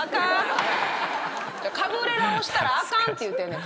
カブレラをしたらあかんて言うてんねん。